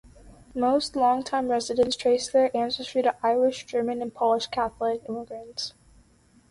Most long-time residents trace their ancestry to Irish, German, and Polish Catholic immigrants.